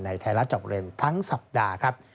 ในแถลจับเรื่องทั้งสัปดาห์ครับ